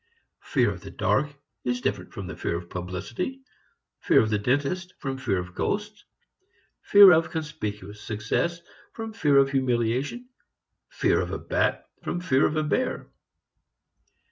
Fear of the dark is different from fear of publicity, fear of the dentist from fear of ghosts, fear of conspicuous success from fear of humiliation, fear of a bat from fear of a bear.